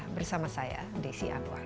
bersama saya desi anwar